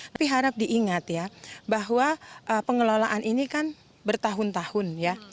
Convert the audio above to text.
tapi harap diingat ya bahwa pengelolaan ini kan bertahun tahun ya